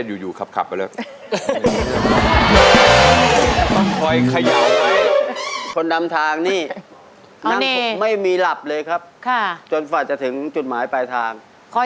ดูทางช่วยกันดูทาง